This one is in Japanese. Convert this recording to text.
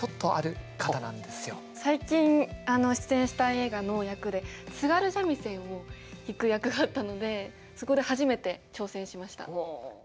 最近出演した映画の役で津軽三味線を弾く役があったのでそこで初めて挑戦しました。